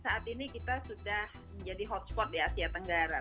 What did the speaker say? saat ini kita sudah menjadi hotspot di asia tenggara